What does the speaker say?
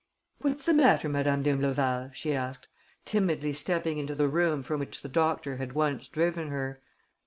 "What's the matter, Madame d'Imbleval?" she asked, timidly stepping into the room from which the doctor had once driven her.